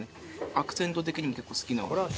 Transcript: アクセント的にも結構好きな。